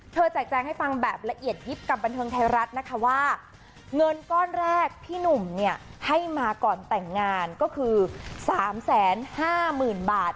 แจกแจงให้ฟังแบบละเอียดยิบกับบันเทิงไทยรัฐนะคะว่าเงินก้อนแรกพี่หนุ่มเนี่ยให้มาก่อนแต่งงานก็คือ๓๕๐๐๐บาท